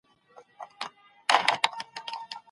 انساني کرامت ته بايد په هر حالت کي پوره درناوی وسي.